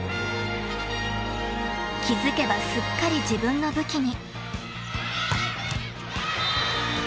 ［気付けばすっかり自分の武器に］